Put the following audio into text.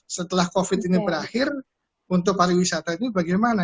setelah covid ini berakhir untuk pariwisata ini bagaimana